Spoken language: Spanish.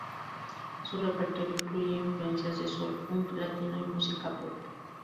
Su repertorio incluye influencias de Soul, Funk Latino y música Pop.